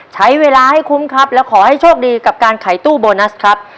ใช้เวลาให้คุ้มครับและขอให้โชคดีกับการขายตู้โบนัสครับ